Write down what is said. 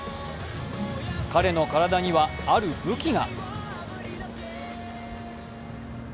彼の体にはある武器が。